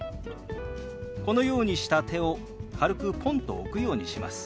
このようにした手を軽くポンと置くようにします。